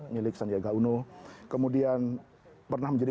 milik sandiaga uno kemudian pernah menjadi